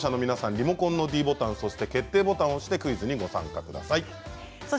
リモコンのｄボタンそして決定ボタンを押してクイズにご参加ください。